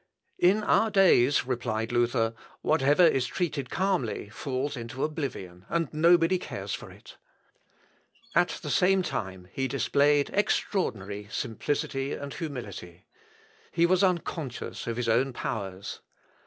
"In our days," replied Luther, "whatever is treated calmly falls into oblivion, and nobody cares for it." At the same time, he displayed extraordinary simplicity and humility. He was unconscious of his own powers.